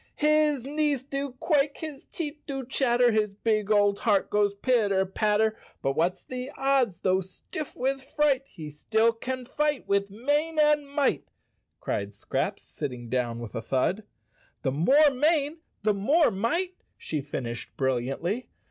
" His knees do quake, His teeth do chatter, His big old heart goes pitter patter! But what's the odds — Though stiff with fright He still can fight with mane and might! " cried Scraps, sitting down with a thud. "The more mane the more might," she finished brilliantly.